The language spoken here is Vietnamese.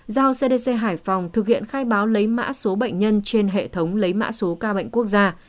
giao cdc hải phòng thực hiện khai báo lấy mã số bệnh nhân trên hệ thống lấy mã số ca bệnh quốc gia